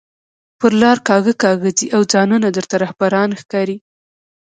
پر لار کاږه کاږه ځئ او ځانونه درته رهبران ښکاري